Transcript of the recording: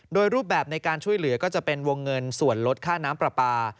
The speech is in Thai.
โดยรูปแบบในการช่วยเหลือก็จะเป็นวงเงินส่วนลดค่าน้ำปลาปลา